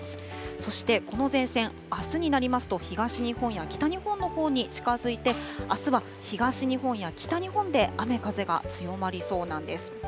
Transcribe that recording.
そして、この前線、あすになりますと、東日本や北日本のほうに近づいて、あすは東日本や北日本で雨風が強まりそうなんです。